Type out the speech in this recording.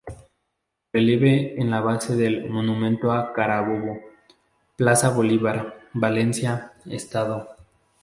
Relieve en la base del "Monumento a Carabobo", Plaza Bolívar, Valencia, Estado.